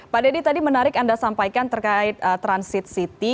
pak dedy tadi menarik anda sampaikan terkait transit city